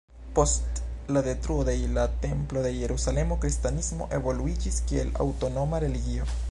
Post la detruo de la Templo de Jerusalemo, kristanismo evoluiĝis kiel aŭtonoma religio.